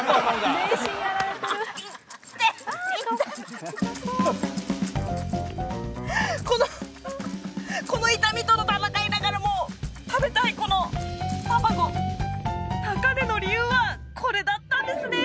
イッタこのこの痛みと闘いながらも食べたいこの卵高値の理由はこれだったんですね